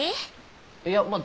いやまあ